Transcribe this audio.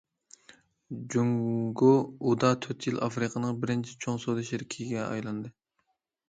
جۇڭگو ئۇدا تۆت يىل ئافرىقىنىڭ بىرىنچى چوڭ سودا شېرىكىگە ئايلاندى.